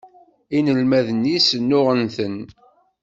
Inelmaden-is nnuɣen-ten.